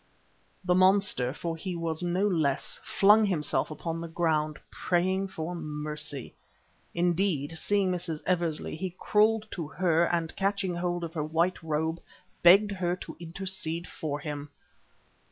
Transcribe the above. The monster, for he was no less, flung himself upon the ground, praying for mercy. Indeed, seeing Mrs. Eversley, he crawled to her and catching hold of her white robe, begged her to intercede for him.